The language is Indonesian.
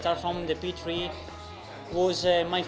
kami mulai dari p tiga itu adalah perang pertama saya